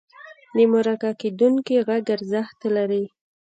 د مرکه کېدونکي غږ ارزښت لري.